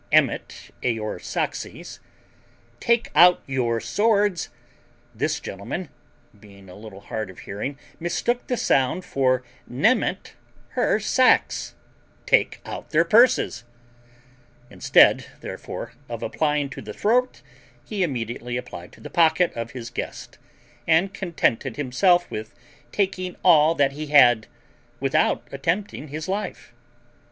Nemet eour Saxes, take out your swords, this gentleman, being a little hard of hearing, mistook the sound for Nemet her sacs, take out their purses; instead therefore of applying to the throat, he immediately applied to the pocket of his guest, and contented himself with taking all that he had, without attempting his life.